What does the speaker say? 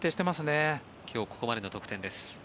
今日ここまでの得点です。